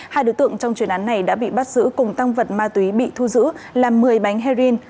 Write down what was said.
hai đối tượng trong chuyên án này đã bị bắt giữ cùng tăng vật ma túy bị thu giữ là một mươi bánh heroin